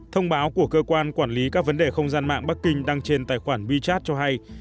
thông báo của cơ quan quản lý các vấn đề không gian mạng bắc kinh đăng trên tài khoản bchat cho hay